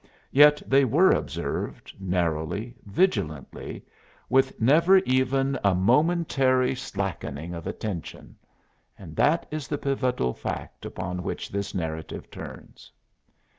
Yet they were observed, narrowly, vigilantly, with never even a momentary slackening of attention; and that is the pivotal fact upon which this narrative turns.